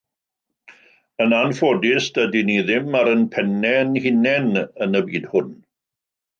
Yn anffodus dydyn ni ddim ar ein pennau ein hunain yn y byd hwn.